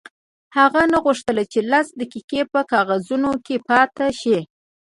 هغې نه غوښتل چې لس دقیقې په کاغذونو کې پاتې شي